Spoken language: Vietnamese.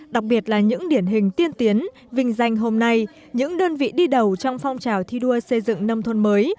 đặc biệt là những điển hình tiên tiến vinh danh hôm nay những đơn vị đi đầu trong phong trào thi đua xây dựng nông thôn mới